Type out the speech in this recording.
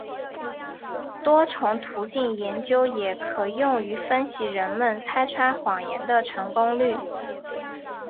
多重途径研究也可用于分析人们拆穿谎言的成功率。